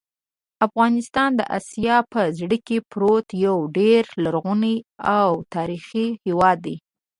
افغانستان د اسیا په زړه کې پروت یو ډېر لرغونی او تاریخي هېواد دی.